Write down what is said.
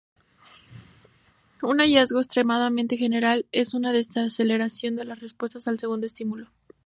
Un hallazgo extremadamente general es una desaceleración de las respuestas al segundo estímulo.